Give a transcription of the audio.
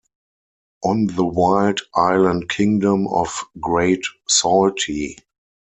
On the wild island kingdom of Great Saltee.